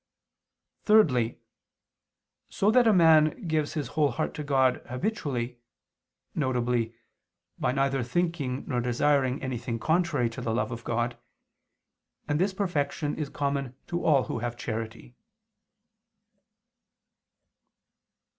Thirdly, so that a man gives his whole heart to God habitually, viz. by neither thinking nor desiring anything contrary to the love of God; and this perfection is common to all who have charity.